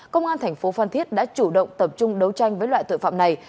công an thành phố phan thiết đã chủ động tập trung đấu tranh với loại tội phạm này